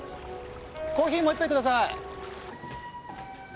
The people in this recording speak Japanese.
コーヒーもう１杯ください。